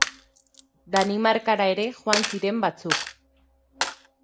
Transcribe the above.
Danimarkara ere joan ziren batzuk.